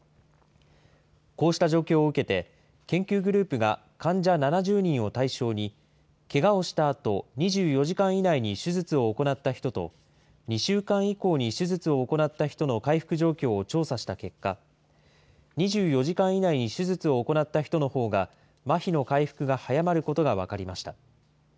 こうした状況を受けて、研究グループが患者７０人を対象に、けがをしたあと２４時間以内に手術を行った人と、２週間以降に手術を行った人の回復状況を調査した結果、２４時間以内に手術を行った人のほうが、まひの回復が早まることが分かりました。